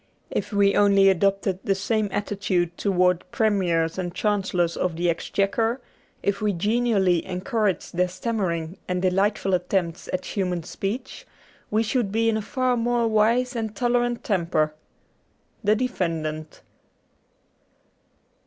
If we only adopted the same attitude towards Premiers and Chancellors of the Exchequer, if we genially encouraged their stam mering and delightful attempts at human speech, we should be in a far more wise and tolerant temper. ' The Defendant.'